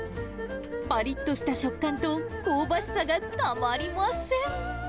ぱりっとした食感と、香ばしさがたまりません。